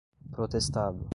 protestado